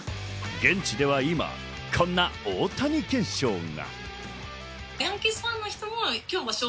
現地では今こんな大谷現象が。